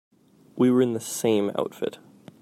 We were in the same outfit.